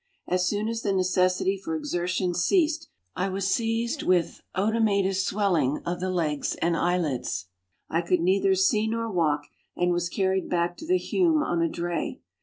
As soon as the necessity for exertion ceased, I was seized with cedematous swelling of the legs and eyelids. I could neither see nor walk, and was carried back to the Hume on a dray.